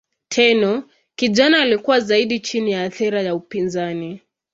Tenno kijana alikuwa zaidi chini ya athira ya upinzani.